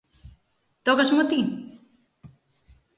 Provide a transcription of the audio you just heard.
Tócasmo ti?